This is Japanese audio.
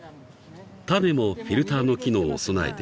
［種もフィルターの機能を備えている］